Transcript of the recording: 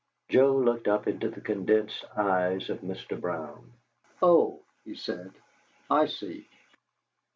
Joe looked up into the condensed eyes of Mr. Brown. "Oh," he said, "I see."